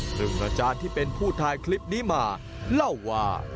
ซึ่งอาจารย์ที่เป็นผู้ถ่ายคลิปนี้มาเล่าว่า